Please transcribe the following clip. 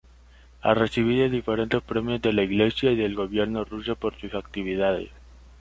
Ha recibido diferentes premios de la Iglesia y del gobierno ruso por sus actividades.